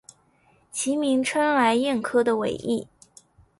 其名称来燕科的尾翼。